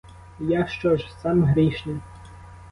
А я що ж — сам грішний.